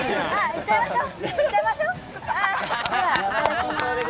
行っちゃいましょう！